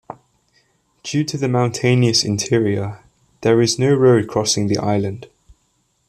Due to the mountainous interior, there is no road crossing the island.